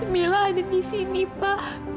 bila ada di sini pa